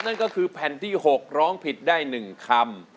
นั่นก็คือแผ่นที่๖ร้องผิดได้๑คำ